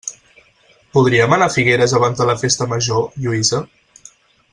Podríem anar a Figueres abans de la festa major, Lluïsa?